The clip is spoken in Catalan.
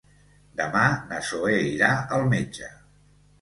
Demà na Zoè irà al metge.